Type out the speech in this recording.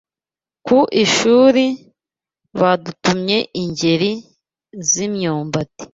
ku ishuri badutumye ingeri z’ imyumbati